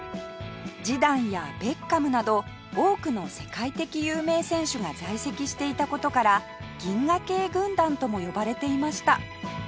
ジダンやベッカムなど多くの世界的有名選手が在籍していた事から銀河系軍団とも呼ばれていました